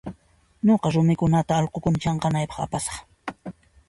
Nuqa rumikunata allqukuna chanqanaypaq apasaq.